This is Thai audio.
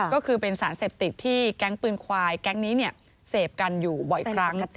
ก็คือเป็นสารเสพติดที่แก๊งปืนควายแก๊งนี้เสพกันอยู่บ่อยครั้ง